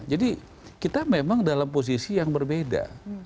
jadi kita memang dalam posisi yang berbeda